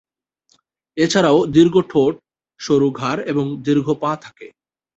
এছাড়াও দীর্ঘ ঠোঁট, সরু ঘাড় এবং দীর্ঘ পা থাকে।